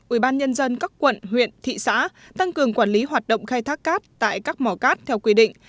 ubnd các quận huyện thị xã tăng cường quản lý hoạt động khai thác cát tại các mỏ cát theo quy định